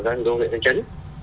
trường đô huyện trần trấn